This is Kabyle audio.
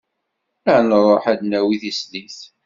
Ad nruḥ ad d-nawi tislit.